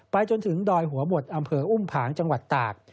จนถึงดอยหัวบดอำเภออุ้มผางจังหวัดตาก